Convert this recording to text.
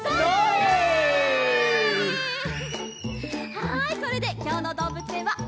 はいこれできょうのどうぶつえんはおしまい。